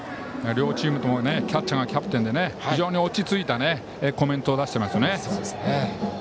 両チームともキャッチャーがキャプテンで非常に落ち着いたコメントを出していますよね。